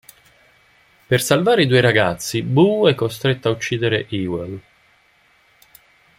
Per salvare i due ragazzi Boo è costretto a uccidere Ewell.